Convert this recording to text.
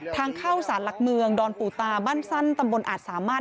ทางเข้าสรรหักเมืองดรปูตาบสั้นตอาจสามารถ